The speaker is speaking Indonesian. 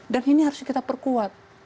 dan ini harus kita perkuat